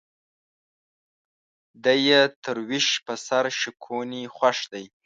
دى يې تر ويش په سر شکوني خوښ دى.